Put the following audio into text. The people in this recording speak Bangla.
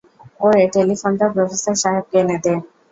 ওরে, টেলিফোনটা প্রফেসর সাহেবকে এনে দে।